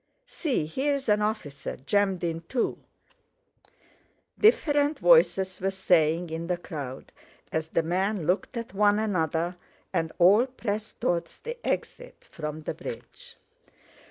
See, here's an officer jammed in too"—different voices were saying in the crowd, as the men looked at one another, and all pressed toward the exit from the bridge.